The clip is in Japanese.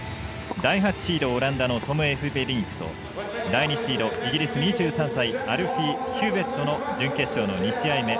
第８シード、オランダのトム・エフベリンクと第２シード、イギリス２３歳アルフィー・ヒューウェットの準決勝の２試合目。